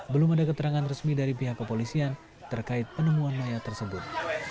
belum ada keterangan resmi dari pihak kepolisian terkait penemuan mayat tersebut